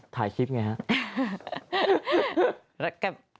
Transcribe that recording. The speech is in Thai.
ถ่ายคลิปไงฮะ